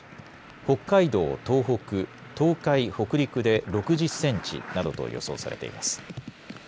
北海道、東北、東海、北陸で６０センチなどと予想されています。